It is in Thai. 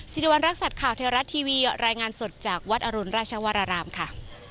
สิริวัณรักษัตริย์ข่าวเทวรัฐทีวีรายงานสดจากวัดอรุณราชวรรารามค่ะ